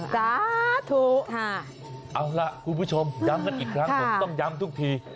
สาธุค่ะเอาล่ะคุณผู้ชมย้ำกันอีกครั้งผมต้องย้ำทุกที